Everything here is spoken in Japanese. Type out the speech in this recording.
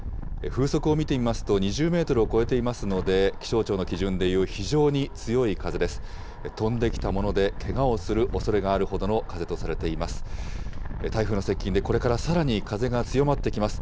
風速を見てみますと、２０メートルを超えていますので、気象庁の基準でいう非常に強い風です。